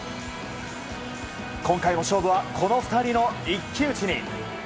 今回も勝負はこの２人の一騎打ちに。